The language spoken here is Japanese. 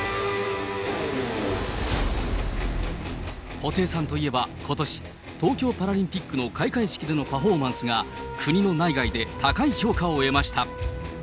布袋さんといえば、ことし、東京パラリンピックの開会式でのパフォーマンスが、国の内外で高い評価を得ました。